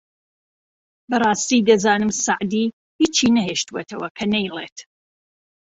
! بەڕاستی دەزانم سەعدی هیچی نەهێشتۆتەوە کە نەیڵێت